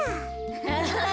アハハハ。